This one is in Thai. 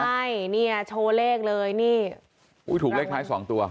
ใช่เนี่ยโชว์เลขเลยนี่อุ้ยถูกเลขท้ายสองตัว